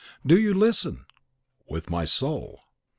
Do you listen?" "With my soul!"